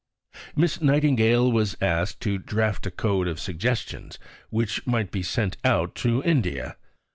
Miss Nightingale was asked to draft a code of suggestions which might be sent out to India.